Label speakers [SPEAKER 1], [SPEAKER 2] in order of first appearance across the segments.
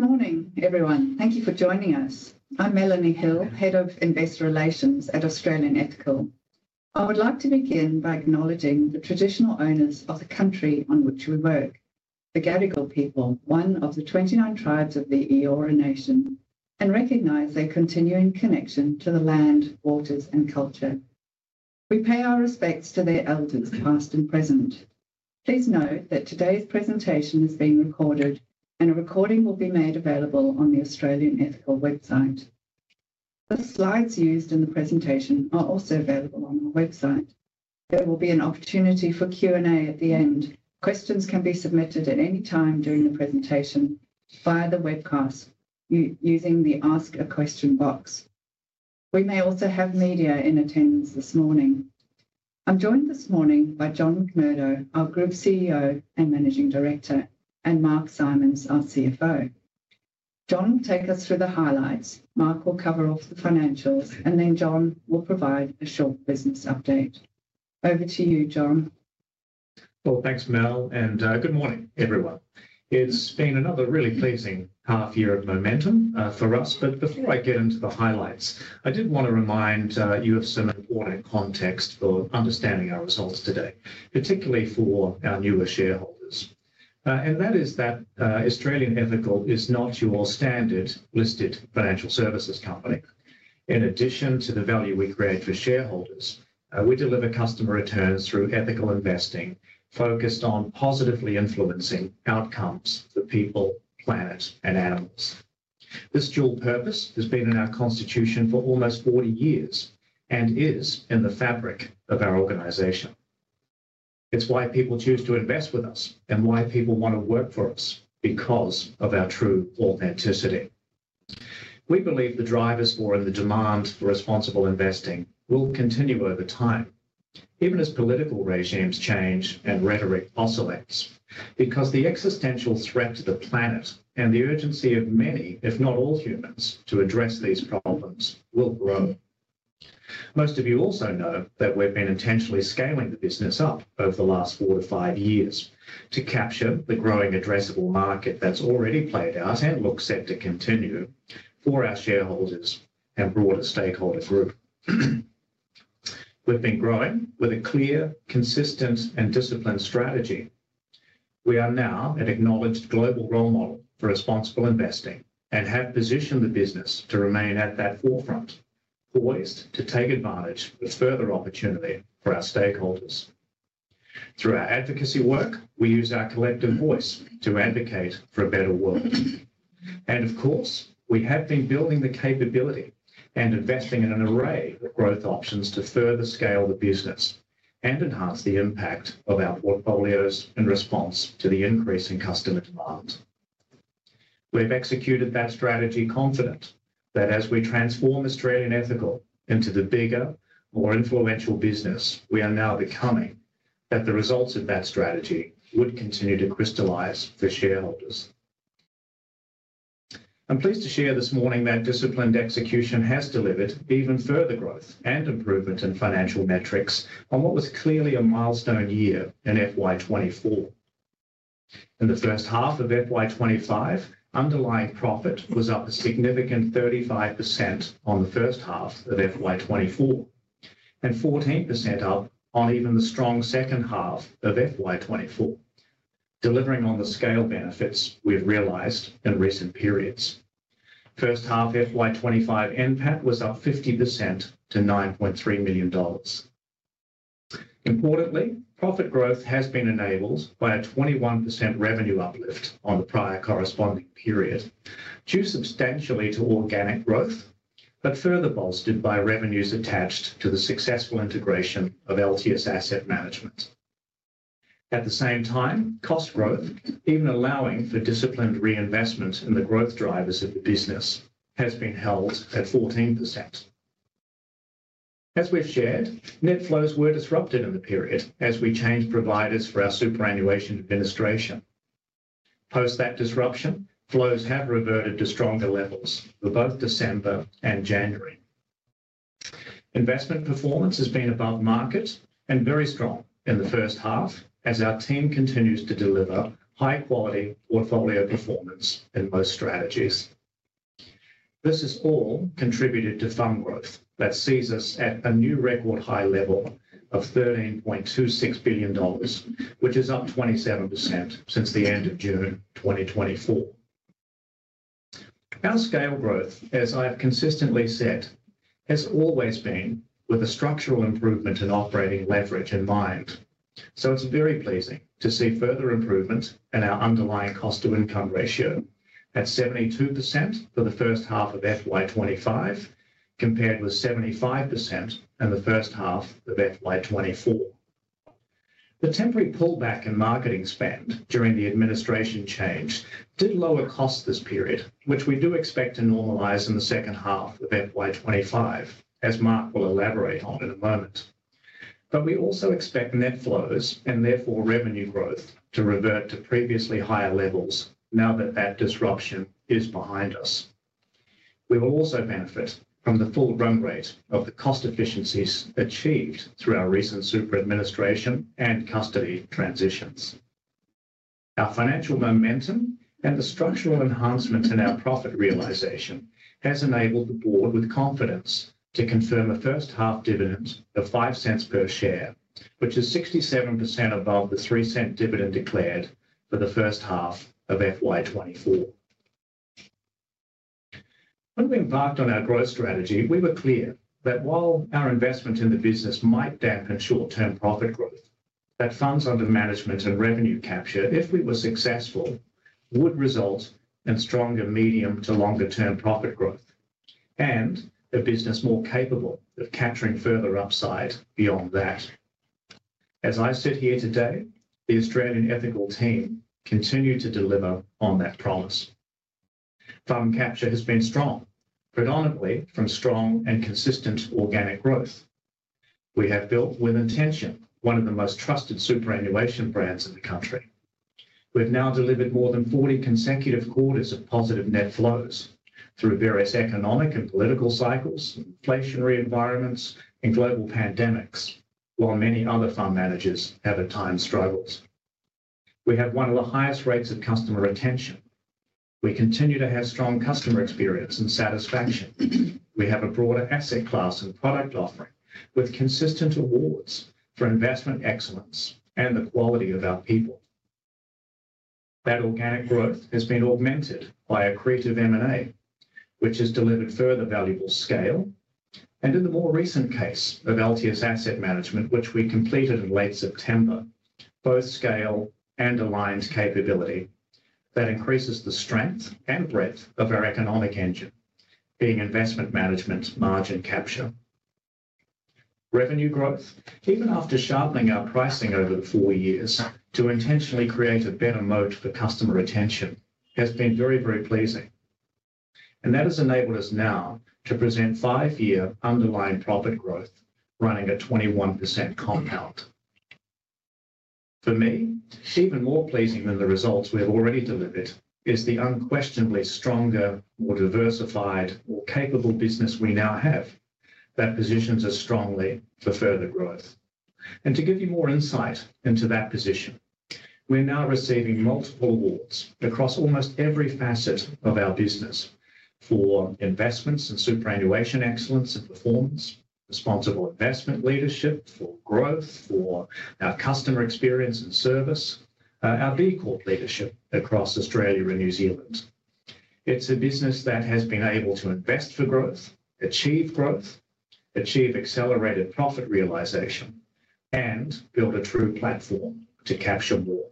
[SPEAKER 1] Good morning, everyone. Thank you for joining us. I'm Melanie Hill, Head of Investor Relations at Australian Ethical. I would like to begin by acknowledging the traditional owners of the country on which we work, the Gadigal people, one of the 29 tribes of the Eora Nation, and recognize their continuing connection to the land, waters, and culture. We pay our respects to their elders, past and present. Please note that today's presentation is being recorded, and a recording will be made available on the Australian Ethical website. The slides used in the presentation are also available on our website. There will be an opportunity for Q&A at the end. Questions can be submitted at any time during the presentation via the webcast using the Ask a Question box. We may also have media in attendance this morning. I'm joined this morning by John McMurdo, our Group CEO and Managing Director, and Mark Simons, our CFO. John, take us through the highlights. Mark will cover off the financials, and then John will provide a short business update. Over to you, John.
[SPEAKER 2] Well, thanks, Mel, and good morning, everyone. It's been another really pleasing half year of momentum for us. But before I get into the highlights, I did want to remind you of some important context for understanding our results today, particularly for our newer shareholders. And that is that Australian Ethical is not your standard listed financial services company. In addition to the value we create for shareholders, we deliver customer returns through ethical investing focused on positively influencing outcomes for people, planet, and animals. This dual purpose has been in our constitution for almost 40 years and is in the fabric of our organization. It's why people choose to invest with us and why people want to work for us, because of our true authenticity. We believe the drivers for and the demand for responsible investing will continue over time, even as political regimes change and rhetoric oscillates, because the existential threat to the planet and the urgency of many, if not all, humans to address these problems will grow. Most of you also know that we've been intentionally scaling the business up over the last four to five years to capture the growing addressable market that's already played out and looks set to continue for our shareholders and broader stakeholder group. We've been growing with a clear, consistent, and disciplined strategy. We are now an acknowledged global role model for responsible investing and have positioned the business to remain at that forefront, poised to take advantage of further opportunity for our stakeholders. Through our advocacy work, we use our collective voice to advocate for a better world. Of course, we have been building the capability and investing in an array of growth options to further scale the business and enhance the impact of our portfolios in response to the increase in customer demand. We've executed that strategy confident that as we transform Australian Ethical into the bigger, more influential business we are now becoming, that the results of that strategy would continue to crystallize for shareholders. I'm pleased to share this morning that disciplined execution has delivered even further growth and improvement in financial metrics on what was clearly a milestone year FY2024. in the first half of FY2025, underlying profit was up a significant 35% on the first half FY2024 and 14% up on even the strong second half FY2024, delivering on the scale benefits we've realized in recent periods. First half FY2025, NPAT was up 50% to 9.3 million dollars. Importantly, profit growth has been enabled by a 21% revenue uplift on the prior corresponding period, due substantially to organic growth, but further bolstered by revenues attached to the successful integration of Altius Asset Management. At the same time, cost growth, even allowing for disciplined reinvestment in the growth drivers of the business, has been held at 14%. As we've shared, net flows were disrupted in the period as we changed providers for our superannuation administration. Post that disruption, flows have reverted to stronger levels for both December and January. Investment performance has been above market and very strong in the first half as our team continues to deliver high-quality portfolio performance in most strategies. This has all contributed to fund growth that sees us at a new record high level of 13.26 billion dollars, which is up 27% since the end of June 2024. Our scale growth, as I've consistently said, has always been with a structural improvement in operating leverage in mind. So it's very pleasing to see further improvement in our underlying cost-to-income ratio at 72% for the first half of FY2025 compared with 75% in the first half FY2024. the temporary pullback in marketing spend during the administration change did lower costs this period, which we do expect to normalize in the second half of FY2025, as Mark will elaborate on in a moment. But we also expect net flows and therefore revenue growth to revert to previously higher levels now that that disruption is behind us. We will also benefit from the full run rate of the cost efficiencies achieved through our recent super administration and custody transitions. Our financial momentum and the structural enhancement in our profit realization has enabled the board with confidence to confirm a first half dividend of 0.05 per share, which is 67% above the 0.03 dividend declared for the first half FY2024. when we embarked on our growth strategy, we were clear that while our investment in the business might dampen short-term profit growth, that funds under management and revenue capture, if we were successful, would result in stronger medium to longer-term profit growth and a business more capable of capturing further upside beyond that. As I sit here today, the Australian Ethical team continues to deliver on that promise. Fund capture has been strong, predominantly from strong and consistent organic growth. We have built with intention one of the most trusted superannuation brands in the country. We've now delivered more than 40 consecutive quarters of positive net flows through various economic and political cycles, inflationary environments, and global pandemics, while many other fund managers have at times struggled. We have one of the highest rates of customer retention. We continue to have strong customer experience and satisfaction. We have a broader asset class and product offering with consistent awards for investment excellence and the quality of our people. That organic growth has been augmented by a creative M&A, which has delivered further valuable scale. And in the more recent case of Altius Asset Management, which we completed in late September, both scale and aligned capability that increases the strength and breadth of our economic engine, being investment management margin capture. Revenue growth, even after sharpening our pricing over the four years to intentionally create a better moat for customer retention, has been very, very pleasing. And that has enabled us now to present five-year underlying profit growth running at 21% compound. For me, even more pleasing than the results we have already delivered is the unquestionably stronger, more diversified, more capable business we now have that positions us strongly for further growth. And to give you more insight into that position, we're now receiving multiple awards across almost every facet of our business for investments and superannuation excellence and performance, responsible investment leadership for growth, for our customer experience and service, our B Corp leadership across Australia and New Zealand. It's a business that has been able to invest for growth, achieve growth, achieve accelerated profit realization, and build a true platform to capture more.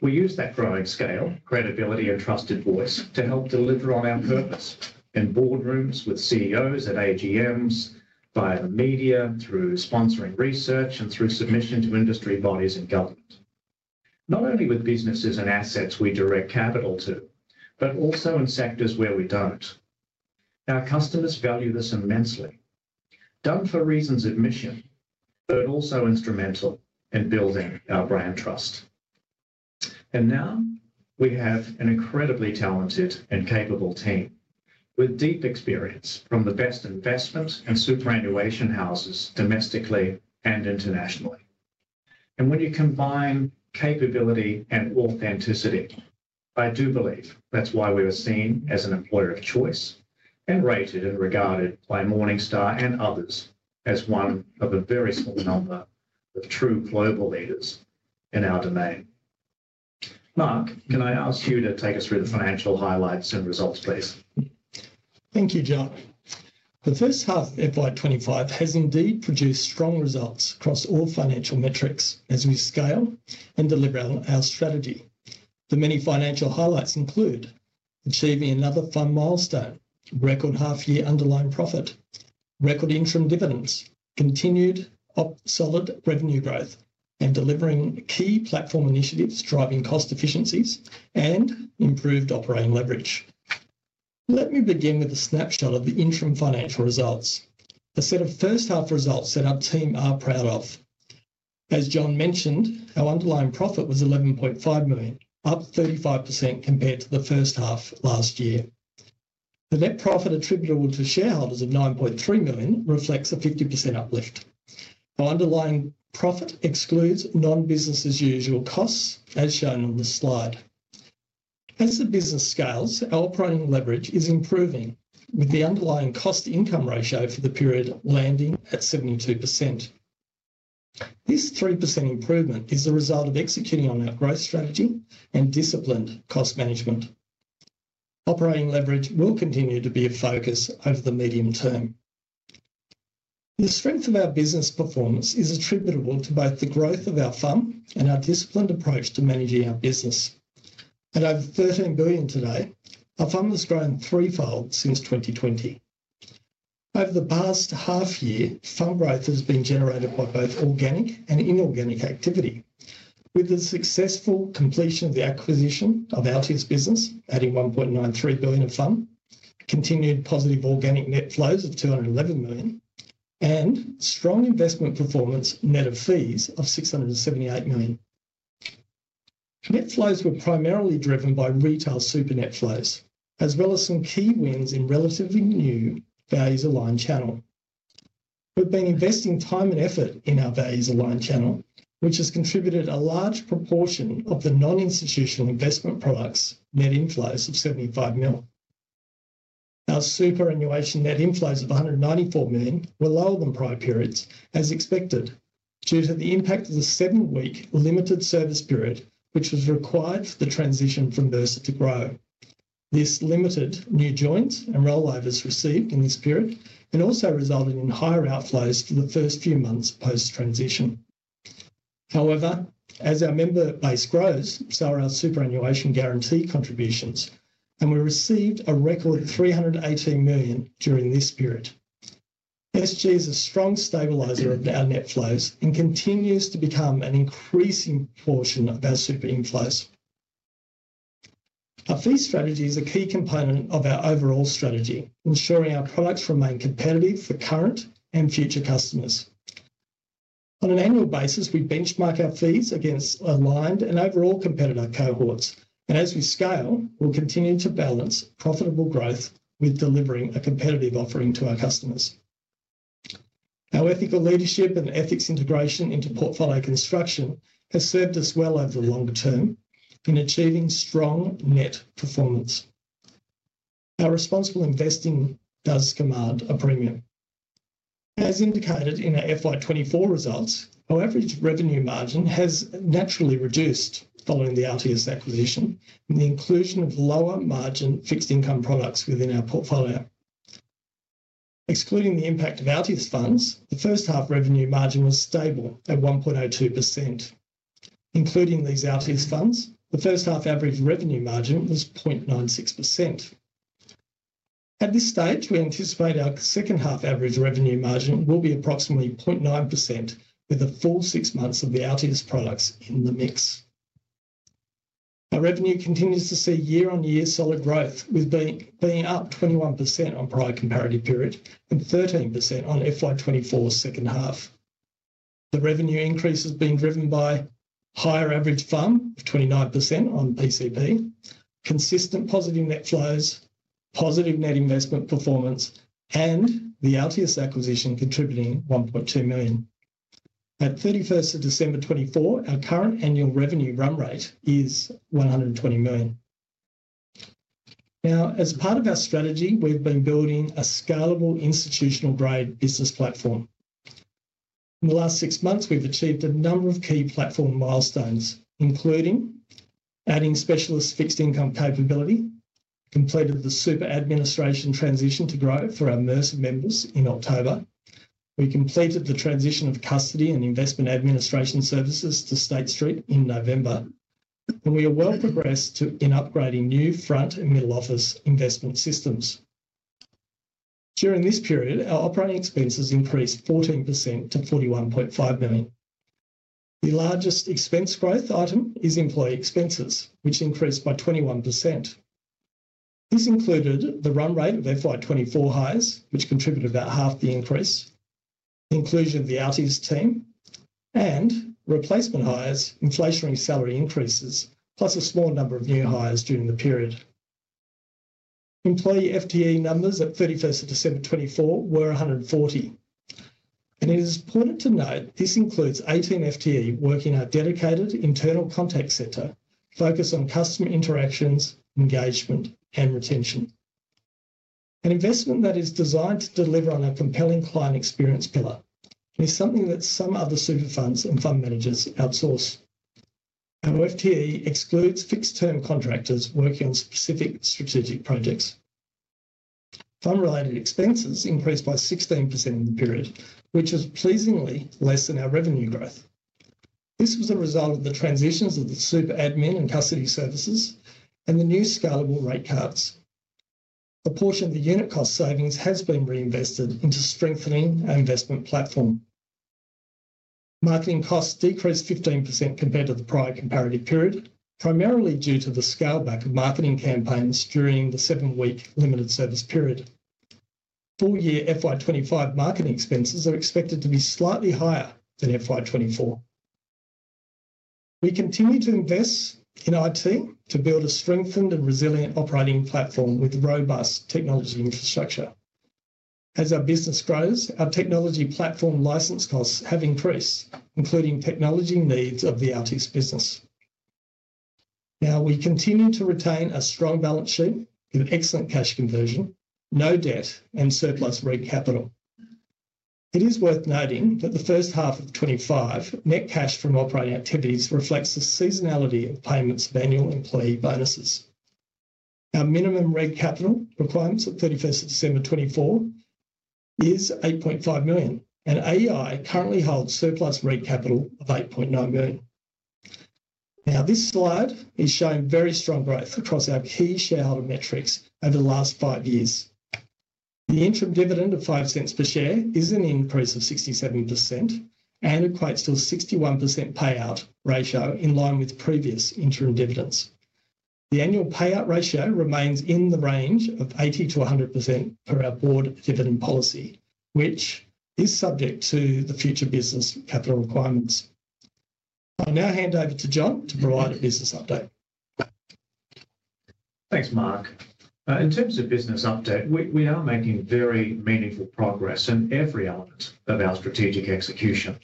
[SPEAKER 2] We use that growing scale, credibility, and trusted voice to help deliver on our purpose in boardrooms with CEOs and AGMs, via the media, through sponsoring research, and through submission to industry bodies and government. Not only with businesses and assets we direct capital to, but also in sectors where we don't. Our customers value this immensely, done for a reason of mission, but also instrumental in building our brand trust, and now we have an incredibly talented and capable team with deep experience from the best investment and superannuation houses domestically and internationally, and when you combine capability and authenticity, I do believe that's why we are seen as an employer of choice and rated and regarded by Morningstar and others as one of a very small number of true global leaders in our domain. Mark, can I ask you to take us through the financial highlights and results, please?
[SPEAKER 3] Thank you, John. The first half of FY2025 has indeed produced strong results across all financial metrics as we scale and deliver on our strategy. The many financial highlights include achieving another fund milestone, record half-year underlying profit, record interim dividends, continued solid revenue growth, and delivering key platform initiatives driving cost efficiencies and improved operating leverage. Let me begin with a snapshot of the interim financial results, a set of first-half results that our team are proud of. As John mentioned, our underlying profit was 11.5 million, up 35% compared to the first half last year. The net profit attributable to shareholders of 9.3 million reflects a 50% uplift. Our underlying profit excludes non-business-as-usual costs, as shown on the slide. As the business scales, our operating leverage is improving with the underlying cost-to-income ratio for the period landing at 72%. This 3% improvement is the result of executing on our growth strategy and disciplined cost management. Operating leverage will continue to be a focus over the medium term. The strength of our business performance is attributable to both the growth of our fund and our disciplined approach to managing our business. At over 13 billion today, our fund has grown threefold since 2020. Over the past half year, fund growth has been generated by both organic and inorganic activity, with the successful completion of the acquisition of Altius Asset Management, adding 1.93 billion of fund, continued positive organic net flows of 211 million, and strong investment performance net of fees of 678 million. Net flows were primarily driven by retail super net flows, as well as some key wins in relatively new values-aligned channel. We've been investing time and effort in our values-aligned channel, which has contributed a large proportion of the non-institutional investment products net inflows of 75 million. Our superannuation net inflows of 194 million were lower than prior periods, as expected, due to the impact of the seven-week limited service period, which was required for the transition from Mersa to Grow. This limited new joins and rollovers received in this period and also resulted in higher outflows for the first few months post-transition. However, as our member base grows, so are our superannuation guarantee contributions, and we received a record 318 million during this period. SG is a strong stabilizer of our net flows and continues to become an increasing portion of our super inflows. Our fee strategy is a key component of our overall strategy, ensuring our products remain competitive for current and future customers. On an annual basis, we benchmark our fees against aligned and overall competitor cohorts, and as we scale, we'll continue to balance profitable growth with delivering a competitive offering to our customers. Our ethical leadership and ethics integration into portfolio construction has served us well over the longer term in achieving strong net performance. Our responsible investing does command a premium. As indicated in FY2024 results, our average revenue margin has naturally reduced following the Altius acquisition and the inclusion of lower margin fixed income products within our portfolio. Excluding the impact of Altius Funds, the first half revenue margin was stable at 1.02%. Including these Altius Funds, the first half average revenue margin was 0.96%. At this stage, we anticipate our second half average revenue margin will be approximately 0.9% with the full six months of the Altius products in the mix. Our revenue continues to see year-on-year solid growth, with being up 21% on prior corresponding period and 13% FY2024 second half. The revenue increase has been driven by higher average FUM of 29% on PCP, consistent positive net flows, positive net investment performance, and the Altius acquisition contributing 1.2 million. At 31st of December 2024, our current annual revenue run rate is 120 million. Now, as part of our strategy, we've been building a scalable institutional-grade business platform. In the last six months, we've achieved a number of key platform milestones, including adding specialist fixed income capability, completed the super administration transition to Grow for our Mercer members in October, we completed the transition of custody and investment administration services to State Street in November, and we are well progressed in upgrading new front and middle office investment systems. During this period, our operating expenses increased 14% to 41.5 million. The largest expense growth item is employee expenses, which increased by 21%. This included the run rate FY2024 hires, which contributed about half the increase, the inclusion of the Altius team, and replacement hires, inflationary salary increases, plus a small number of new hires during the period. Employee FTE numbers at 31st of December 2024 were 140. And it is important to note this includes 18 FTE working in our dedicated internal contact center focused on customer interactions, engagement, and retention. An investment that is designed to deliver on a compelling client experience pillar is something that some other super funds and fund managers outsource. Our FTE excludes fixed-term contractors working on specific strategic projects. Fund-related expenses increased by 16% in the period, which was pleasingly less than our revenue growth. This was a result of the transitions of the super admin and custody services and the new scalable rate cards. A portion of the unit cost savings has been reinvested into strengthening our investment platform. Marketing costs decreased 15% compared to the prior corresponding period, primarily due to the scale back of marketing campaigns during the seven-week limited service period. For FY2025 marketing expenses are expected to be slightly higher FY2024. we continue to invest in IT to build a strengthened and resilient operating platform with robust technology infrastructure. As our business grows, our technology platform license costs have increased, including technology needs of the Altius business. Now, we continue to retain a strong balance sheet with excellent cash conversion, no debt, and surplus regulatory capital. It is worth noting that the first half of 2025 net cash from operating activities reflects the seasonality of payments of annual employee bonuses. Our minimum regulatory capital requirements at 31st of December 2024 is 8.5 million, and AEI currently holds surplus regulatory capital of 8.9 million. Now, this slide is showing very strong growth across our key shareholder metrics over the last five years. The interim dividend of 0.05 per share is an increase of 67% and equates to a 61% payout ratio in line with previous interim dividends. The annual payout ratio remains in the range of 80%-100% per our board dividend policy, which is subject to the future business capital requirements. I now hand over to John to provide a business update.
[SPEAKER 2] Thanks, Mark. In terms of business update, we are making very meaningful progress in every element of our strategic execution.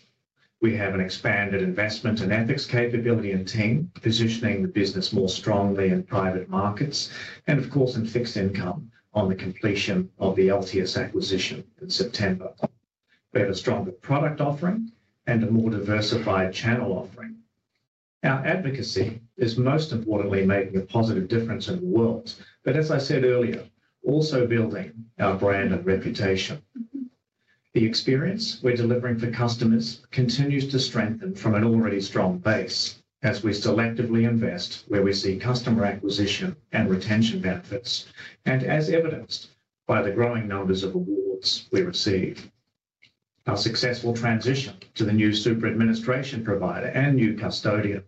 [SPEAKER 2] We have an expanded investment and ethics capability and team positioning the business more strongly in private markets and, of course, in fixed income on the completion of the Altius acquisition in September. We have a stronger product offering and a more diversified channel offering. Our advocacy is most importantly making a positive difference in the world, but as I said earlier, also building our brand and reputation. The experience we're delivering for customers continues to strengthen from an already strong base as we selectively invest where we see customer acquisition and retention benefits, and as evidenced by the growing numbers of awards we receive. Our successful transition to the new super administration provider and new custodian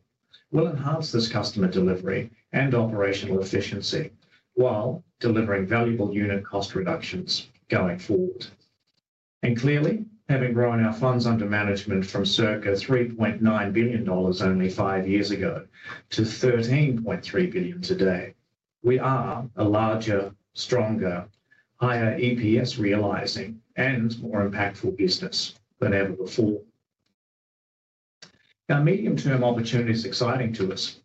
[SPEAKER 2] will enhance this customer delivery and operational efficiency while delivering valuable unit cost reductions going forward. And clearly, having grown our funds under management from circa 3.9 billion dollars only five years ago to 13.3 billion today, we are a larger, stronger, higher EPS realizing, and more impactful business than ever before. Our medium-term opportunity is exciting to us.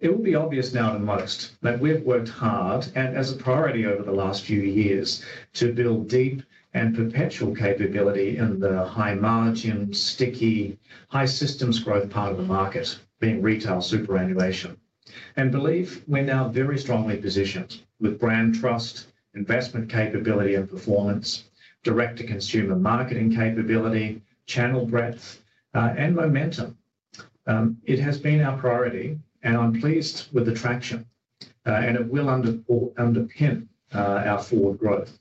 [SPEAKER 2] It will be obvious now to most that we've worked hard and as a priority over the last few years to build deep and perpetual capability in the high margin, sticky, high systems growth part of the market being retail superannuation. And believe we're now very strongly positioned with brand trust, investment capability and performance, direct-to-consumer marketing capability, channel breadth, and momentum. It has been our priority, and I'm pleased with the traction, and it will underpin our forward growth.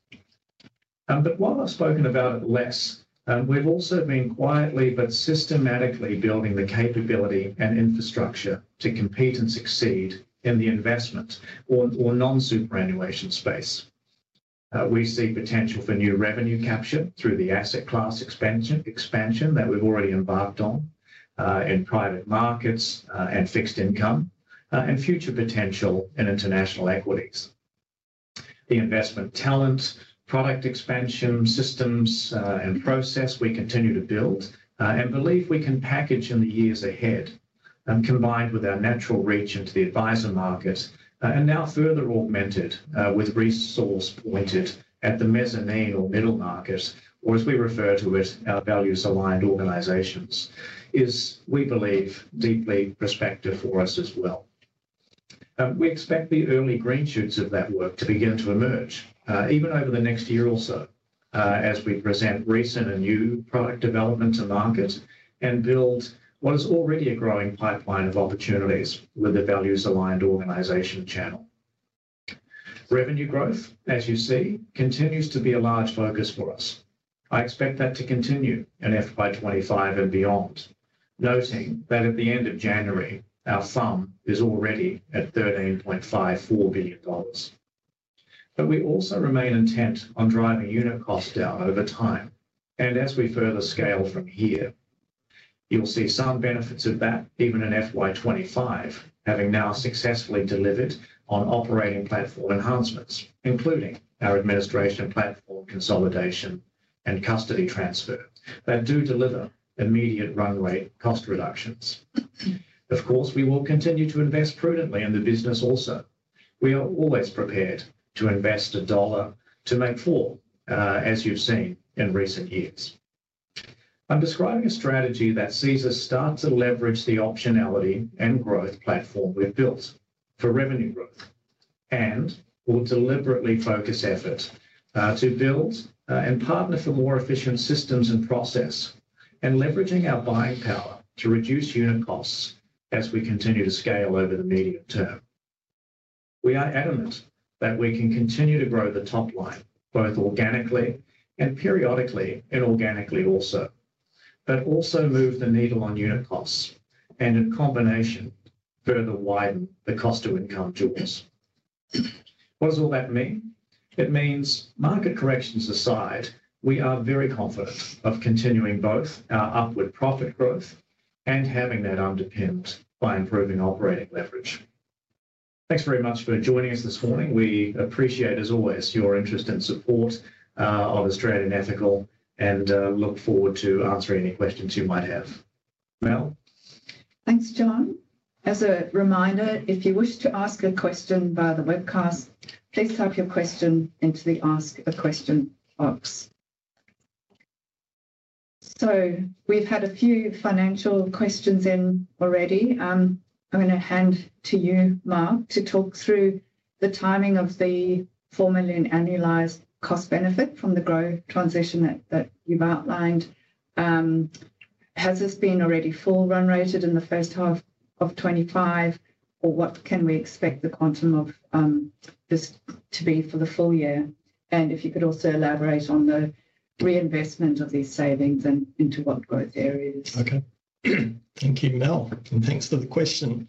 [SPEAKER 2] But while I've spoken about it less, we've also been quietly but systematically building the capability and infrastructure to compete and succeed in the investment or non-superannuation space. We see potential for new revenue capture through the asset class expansion that we've already embarked on in private markets and fixed income and future potential in international equities. The investment talent, product expansion, systems, and process we continue to build and believe we can package in the years ahead combined with our natural reach into the advisor market and now further augmented with resource pointed at the mezzanine or middle market, or as we refer to it, our values-aligned organizations, is we believe deeply prospective for us as well. We expect the early green shoots of that work to begin to emerge even over the next year or so as we present recent and new product development to market and build what is already a growing pipeline of opportunities with the values-aligned organization channel. Revenue growth, as you see, continues to be a large focus for us. I expect that to continue in FY2025 and beyond, noting that at the end of January, our FUM is already at 13.54 billion dollars, but we also remain intent on driving unit costs down over time, and as we further scale from here, you'll see some benefits of that even in FY2025, having now successfully delivered on operating platform enhancements, including our administration platform consolidation and custody transfer that do deliver immediate run rate cost reductions. Of course, we will continue to invest prudently in the business also. We are always prepared to invest a dollar to make four, as you've seen in recent years. I'm describing a strategy that sees us start to leverage the optionality and growth platform we've built for revenue growth and will deliberately focus efforts to build and partner for more efficient systems and process and leveraging our buying power to reduce unit costs as we continue to scale over the medium term. We are adamant that we can continue to grow the top line both organically and periodically and organically also, but also move the needle on unit costs and in combination further widen the cost-to-income ratio. What does all that mean? It means market corrections aside, we are very confident of continuing both our upward profit growth and having that underpinned by improving operating leverage. Thanks very much for joining us this morning. We appreciate, as always, your interest and support of Australian Ethical and look forward to answering any questions you might have. Mel?
[SPEAKER 1] Thanks, John. As a reminder, if you wish to ask a question via the webcast, please type your question into the Ask a Question box. So, we've had a few financial questions in already. I'm going to hand to you, Mark, to talk through the timing of the 4 million annualized cost benefit from the Grow transition that you've outlined. Has this been already full run rated in the first half of 2025, or what can we expect the quantum of this to be for the full year? And if you could also elaborate on the reinvestment of these savings and into what growth areas.
[SPEAKER 3] Okay. Thank you, Mel, and thanks for the question.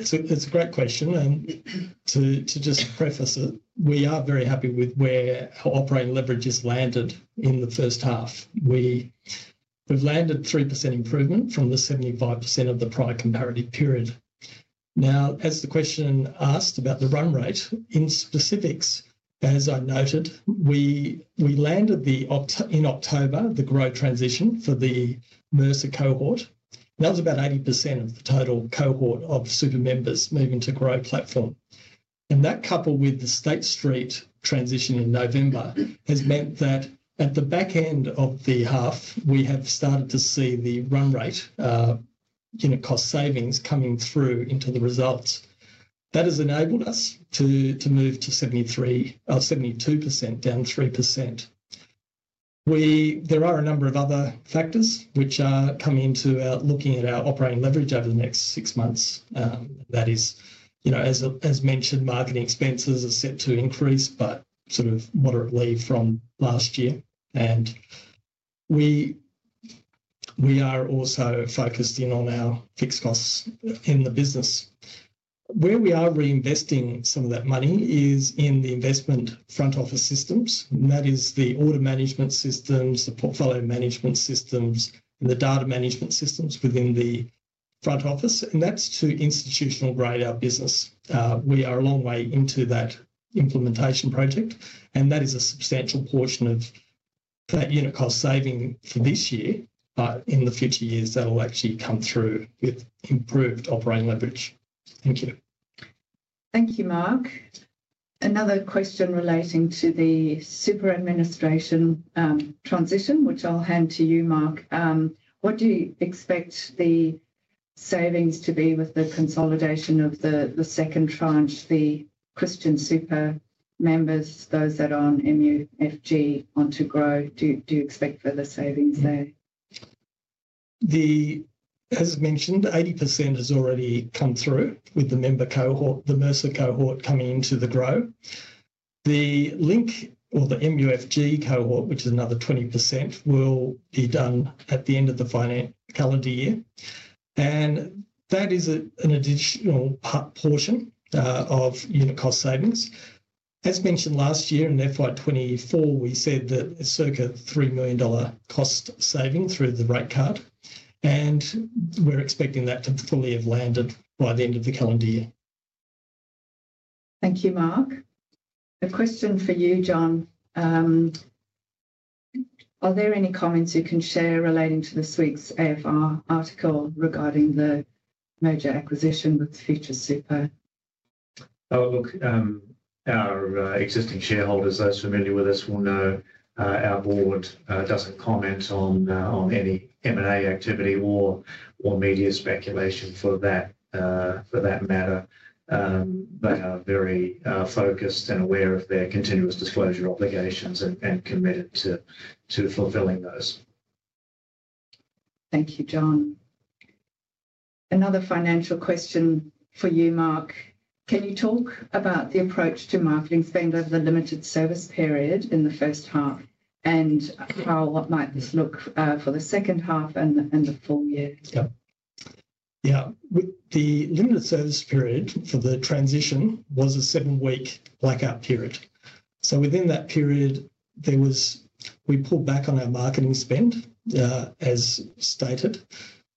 [SPEAKER 3] It's a great question. And to just preface it, we are very happy with where our operating leverage has landed in the first half. We've landed 3% improvement from the 75% of the prior corresponding period. Now, as the question asked about the run rate in specifics, as I noted, we landed in October the Grow transition for the Mercer cohort. That was about 80% of the total cohort of super members moving to Grow platform. And that, coupled with the State Street transition in November, has meant that at the back end of the half, we have started to see the run rate unit cost savings coming through into the results. That has enabled us to move to 73 or 72%, down 3%. There are a number of other factors which are coming into looking at our operating leverage over the next six months. That is, as mentioned, marketing expenses are set to increase, but sort of moderately from last year, and we are also focused in on our fixed costs in the business. Where we are reinvesting some of that money is in the investment front office systems. That is the order management systems, the portfolio management systems, and the data management systems within the front office, and that's to institutional grade our business. We are a long way into that implementation project, and that is a substantial portion of that unit cost saving for this year, but in the future years, that will actually come through with improved operating leverage. Thank you.
[SPEAKER 1] Thank you, Mark. Another question relating to the super administration transition, which I'll hand to you, Mark. What do you expect the savings to be with the consolidation of the second tranche, the Christian Super members, those that are on MUFG onto Grow? Do you expect further savings there?
[SPEAKER 3] As mentioned, 80% has already come through with the member cohort, the Mercer cohort coming into the Grow. The Link or the MUFG cohort, which is another 20%, will be done at the end of the calendar year. And that is an additional portion of unit cost savings. As mentioned last year FY2024, we said that it's circa 3 million dollar cost saving through the rate card. And we're expecting that to fully have landed by the end of the calendar year.
[SPEAKER 1] Thank you, Mark. A question for you, John. Are there any comments you can share relating to this week's AFR article regarding the merger acquisition with Future Super?
[SPEAKER 2] Oh, look, our existing shareholders, those familiar with us, will know our board doesn't comment on any M&A activity or media speculation for that matter. They are very focused and aware of their continuous disclosure obligations and committed to fulfilling those.
[SPEAKER 1] Thank you, John. Another financial question for you, Mark. Can you talk about the approach to marketing spend over the limited service period in the first half and how what might this look for the second half and the full year?
[SPEAKER 3] Yeah. Yeah. The limited service period for the transition was a seven-week blackout period, so within that period, we pulled back on our marketing spend, as stated,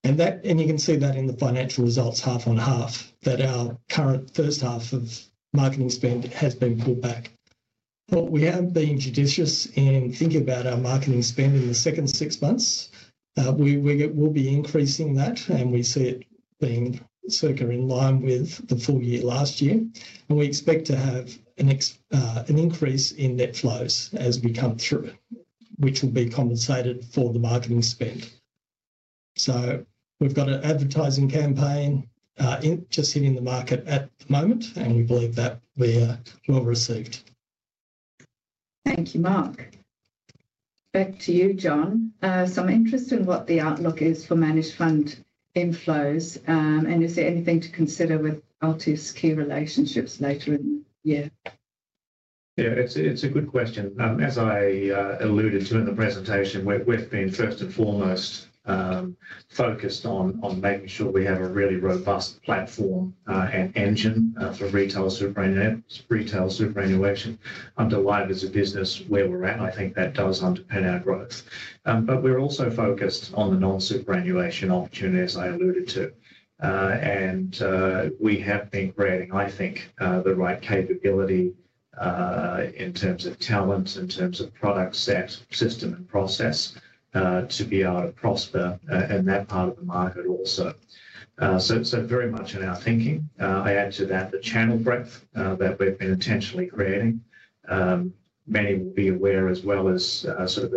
[SPEAKER 3] and you can see that in the financial results half on half, that our current first half of marketing spend has been pulled back, but we have been judicious in thinking about our marketing spend in the second six months. We will be increasing that, and we see it being circa in line with the full year last year, and we expect to have an increase in net flows as we come through, which will be compensated for the marketing spend, so we've got an advertising campaign just hitting the market at the moment, and we believe that we are well received.
[SPEAKER 1] Thank you, Mark. Back to you, John. Some interest in what the outlook is for managed fund inflows, and is there anything to consider with Altius Key Relationships later in the year?
[SPEAKER 2] Yeah, it's a good question. As I alluded to in the presentation, we've been first and foremost focused on making sure we have a really robust platform and engine for retail superannuation. Underlie as a business where we're at, I think that does underpin our growth, but we're also focused on the non-superannuation opportunity, as I alluded to, and we have been creating, I think, the right capability in terms of talent, in terms of product set system and process to be able to prosper in that part of the market also, so very much in our thinking. I add to that the channel breadth that we've been intentionally creating. Many will be aware as well as sort of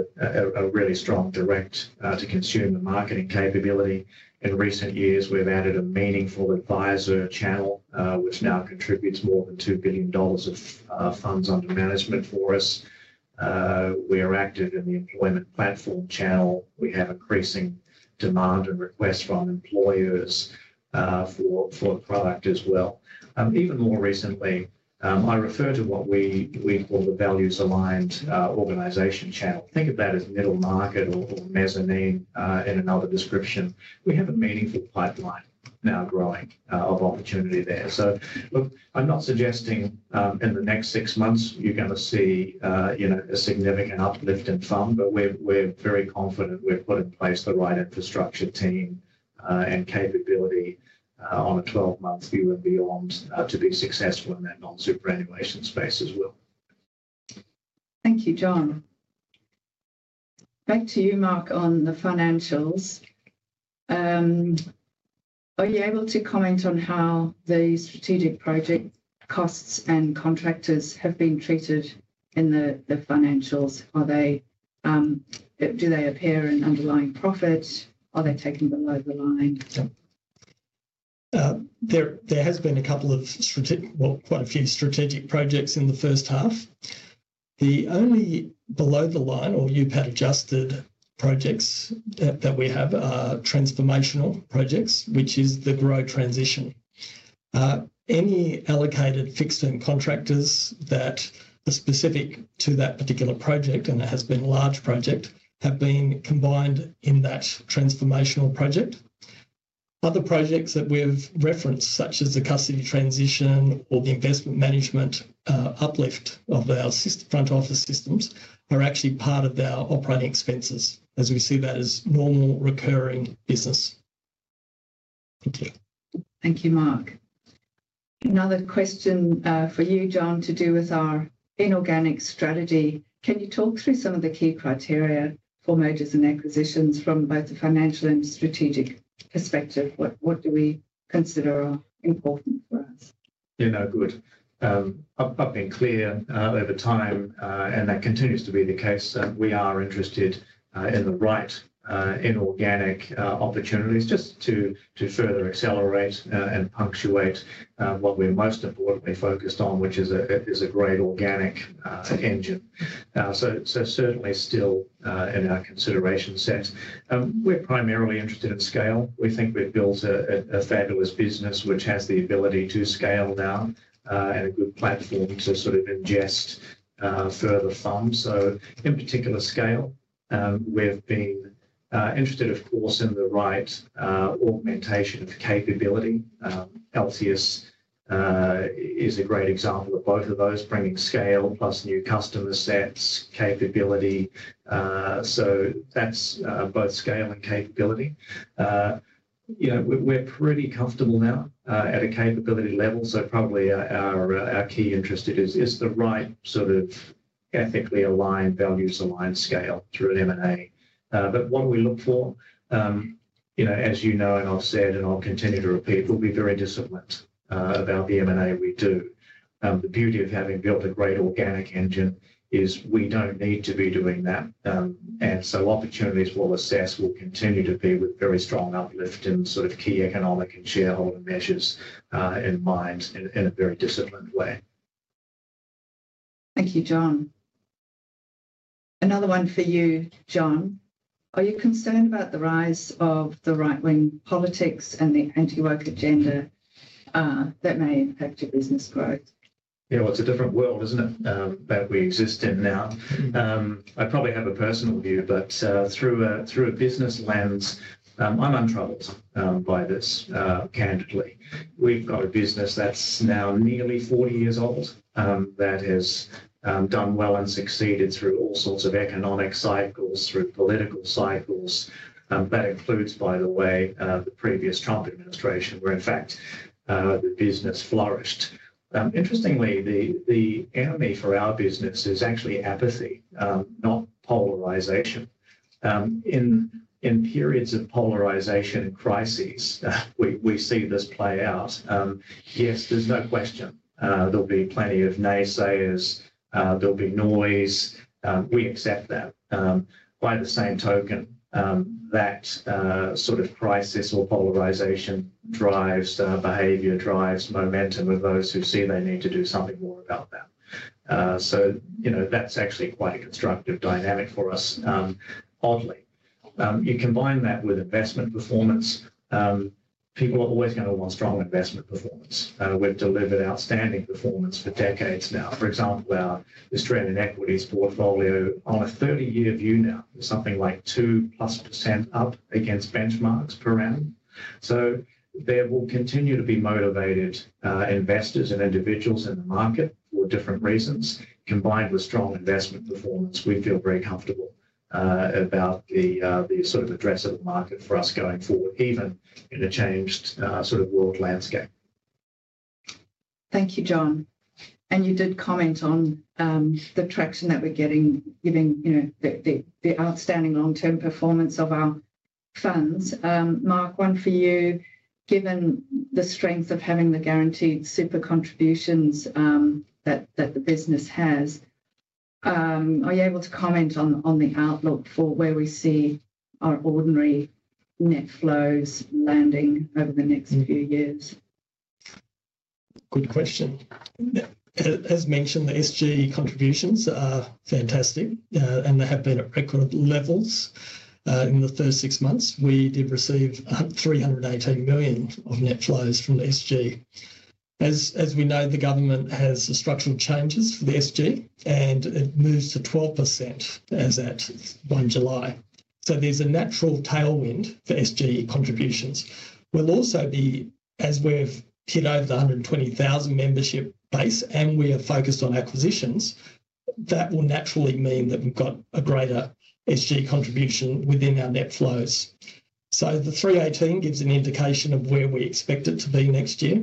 [SPEAKER 2] a really strong direct-to-consumer marketing capability. In recent years, we've added a meaningful advisor channel, which now contributes more than 2 billion dollars of funds under management for us. We are active in the employment platform channel. We have increasing demand and requests from employers for the product as well. Even more recently, I refer to what we call the values-aligned organization channel. Think of that as middle market or mezzanine in another description. We have a meaningful pipeline now growing of opportunity there. So I'm not suggesting in the next six months you're going to see a significant uplift in fund, but we're very confident we've put in place the right infrastructure team and capability on a 12-month view and beyond to be successful in that non-superannuation space as well.
[SPEAKER 1] Thank you, John. Back to you, Mark, on the financials. Are you able to comment on how the strategic project costs and contractors have been treated in the financials? Do they appear in underlying profit? Are they taken below the line?
[SPEAKER 3] There has been a couple of, well, quite a few strategic projects in the first half. The only below the line or UPAT adjusted projects that we have are transformational projects, which is the Grow transition. Any allocated fixed-term contractors that are specific to that particular project, and it has been a large project, have been combined in that transformational project. Other projects that we've referenced, such as the custody transition or the investment management uplift of our front office systems, are actually part of our operating expenses, as we see that as normal recurring business.
[SPEAKER 1] Thank you. Thank you, Mark. Another question for you, John, to do with our inorganic strategy. Can you talk through some of the key criteria for mergers and acquisitions from both the financial and strategic perspective? What do we consider important for us?
[SPEAKER 2] Yeah, no, good. I've been clear over time, and that continues to be the case. We are interested in the right inorganic opportunities just to further accelerate and punctuate what we're most importantly focused on, which is a great organic engine. So certainly still in our consideration set. We're primarily interested in scale. We think we've built a fabulous business, which has the ability to scale now and a good platform to sort of ingest further funds. So in particular scale, we've been interested, of course, in the right augmentation of capability. Altius is a great example of both of those, bringing scale plus new customer sets, capability. So that's both scale and capability. We're pretty comfortable now at a capability level. So probably our key interest is the right sort of ethically aligned, values-aligned scale through an M&A. But what we look for, as you know, and I've said, and I'll continue to repeat, we'll be very disciplined about the M&A we do. The beauty of having built a great organic engine is we don't need to be doing that. And so opportunities we'll assess will continue to be with very strong uplift in sort of key economic and shareholder measures in mind in a very disciplined way.
[SPEAKER 1] Thank you, John. Another one for you, John. Are you concerned about the rise of the right-wing politics and the anti-work agenda that may impact your business growth?
[SPEAKER 2] Yeah, well, it's a different world, isn't it, that we exist in now? I probably have a personal view, but through a business lens, I'm untroubled by this, candidly. We've got a business that's now nearly 40 years old that has done well and succeeded through all sorts of economic cycles, through political cycles. That includes, by the way, the previous Trump administration, where, in fact, the business flourished. Interestingly, the enemy for our business is actually apathy, not polarization. In periods of polarization and crises, we see this play out. Yes, there's no question. There'll be plenty of naysayers. There'll be noise. We accept that. By the same token, that sort of crisis or polarization drives behavior, drives momentum of those who see they need to do something more about that. So that's actually quite a constructive dynamic for us, oddly. You combine that with investment performance, people are always going to want strong investment performance. We've delivered outstanding performance for decades now. For example, our Australian equities portfolio on a 30-year view now is something like 2% plus up against benchmarks per annum. So there will continue to be motivated investors and individuals in the market for different reasons. Combined with strong investment performance, we feel very comfortable about the sort of address of the market for us going forward, even in a changed sort of world landscape.
[SPEAKER 1] Thank you, John, and you did comment on the traction that we're getting, giving the outstanding long-term performance of our funds. Mark, one for you. Given the strength of having the guaranteed super contributions that the business has, are you able to comment on the outlook for where we see our ordinary net flows landing over the next few years?
[SPEAKER 3] Good question. As mentioned, the SG contributions are fantastic, and they have been at record levels. In the first six months, we did receive 318 million of net flows from the SG. As we know, the government has structural changes for the SG, and it moves to 12% as at 1 July. So there's a natural tailwind for SG contributions. We'll also be, as we've hit over the 120,000 membership base, and we are focused on acquisitions, that will naturally mean that we've got a greater SG contribution within our net flows. So the 318 gives an indication of where we expect it to be next year.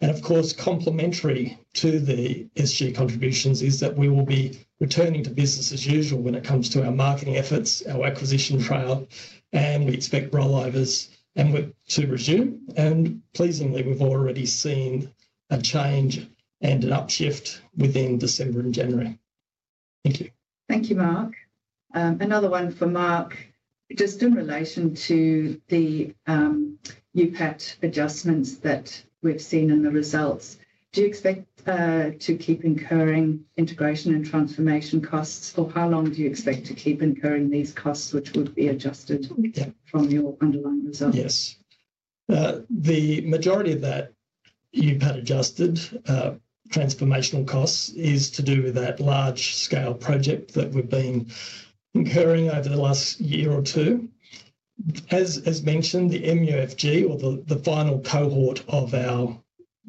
[SPEAKER 3] And of course, complementary to the SG contributions is that we will be returning to business as usual when it comes to our marketing efforts, our acquisition trial, and we expect rollovers to resume. Pleasingly, we've already seen a change and an upshift within December and January. Thank you.
[SPEAKER 1] Thank you, Mark. Another one for Mark. Just in relation to the UPAT adjustments that we've seen in the results, do you expect to keep incurring integration and transformation costs, or how long do you expect to keep incurring these costs, which would be adjusted from your underlying results?
[SPEAKER 3] Yes. The majority of that UPAT adjusted transformational costs is to do with that large-scale project that we've been incurring over the last year or two. As mentioned, the MUFG, or the final cohort of our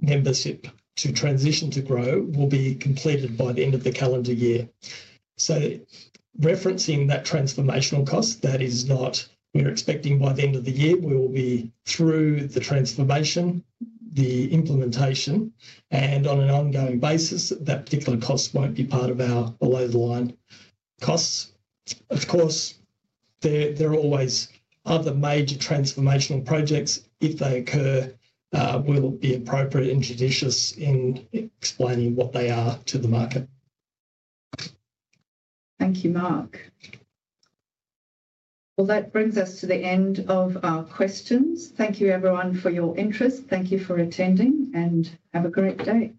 [SPEAKER 3] membership to transition to Grow, will be completed by the end of the calendar year. So referencing that transformational cost, that is not we're expecting by the end of the year, we will be through the transformation, the implementation, and on an ongoing basis, that particular cost won't be part of our below-the-line costs. Of course, there are always other major transformational projects. If they occur, we'll be appropriate and judicious in explaining what they are to the market.
[SPEAKER 1] Thank you, Mark. Well, that brings us to the end of our questions. Thank you, everyone, for your interest. Thank you for attending, and have a great day.